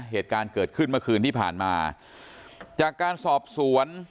เหตุการณ์เกิดขึ้นเมื่อคืนที่ผ่านมาจากการสอบสวน